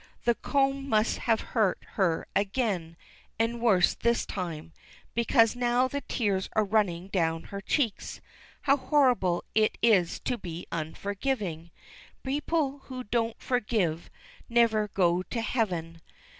The comb must have hurt her again, and worse this time, because now the tears are running down her cheeks. How horrible it is to be unforgiving! People who don't forgive never go to heaven.